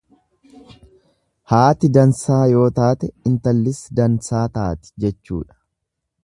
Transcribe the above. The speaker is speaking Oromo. Haati dansaa yoo taate intallis dansaa taati jechuudha.